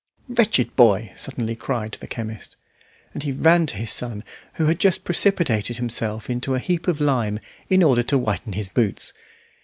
"Wretched boy!" suddenly cried the chemist. And he ran to his son, who had just precipitated himself into a heap of lime in order to whiten his boots.